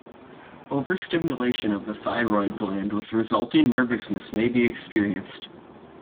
Over-stimulation of the thyroid gland with resulting nervousness may be experienced.